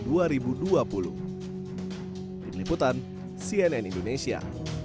di liputan cnn indonesia